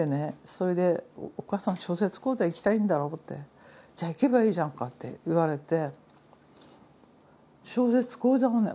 それで「お母さん小説講座行きたいんだろう」って「じゃあ行けばいいじゃんか」って言われて小説講座がね